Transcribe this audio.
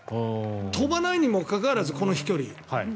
飛ばないにもかかわらずこの飛距離。